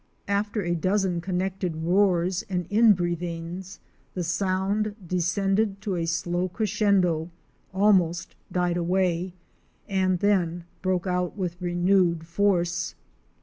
After a dozen connected roars and inbreathings the sound de scended to a slow crescendo, almost died away and then broke out with renewed force.